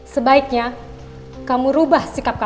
saya ikut anak struggles di rumah berdua